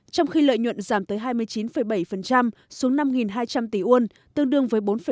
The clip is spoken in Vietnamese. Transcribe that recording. trong khi lợi nhuận giảm tới hai mươi chín bảy xuống năm hai trăm linh tỷ won